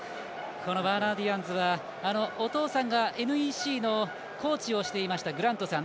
このワーナー・ディアンズはお父さんがＮＥＣのコーチをしていましたグラントさん。